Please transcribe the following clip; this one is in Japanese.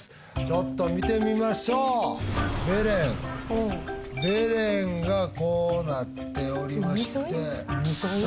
ちょっと見てみましょうベレンベレンがこうなっておりまして海沿い？